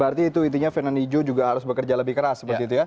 berarti itu intinya fernand ijo juga harus bekerja lebih keras seperti itu ya